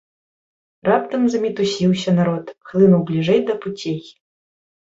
Раптам замітусіўся народ, хлынуў бліжэй да пуцей.